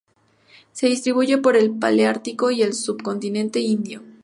Se distribuye por el paleártico y el subcontinente indio.